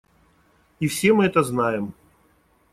И все мы это знаем.